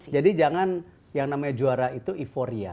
jadi jangan yang namanya juara itu euphoria